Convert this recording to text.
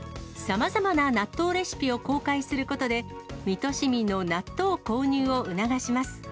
さまざまな納豆レシピを公開することで、水戸市民の納豆購入を促します。